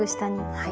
はい。